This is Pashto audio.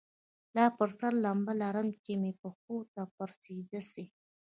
لا پر سر لمبه لرمه چي مي پښو ته پر سجده سي